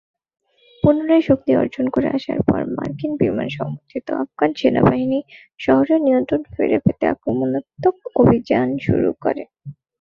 পুনরায় শক্তি অর্জন করে আসার পর, মার্কিন বিমান সমর্থিত আফগান সেনাবাহিনী শহরের নিয়ন্ত্রণ ফিরে পেতে আক্রমণাত্মক অভিযান শুরু করে।